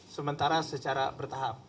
sementara secara bertahap